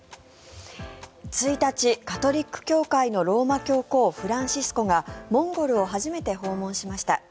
１日カトリック教会のローマ教皇フランシスコがモンゴルを初めて訪問しました。